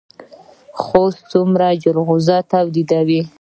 خوست څومره جلغوزي تولیدوي؟